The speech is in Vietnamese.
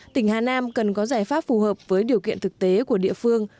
tỉnh hà nam cần có giải pháp phù hợp với điều kiện thực tế của địa phương